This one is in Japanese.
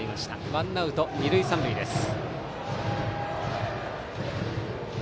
ワンアウト二塁三塁です。